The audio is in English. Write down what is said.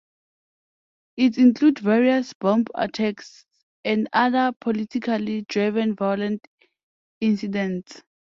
It includes various bomb attacks and other politically driven violent incidents.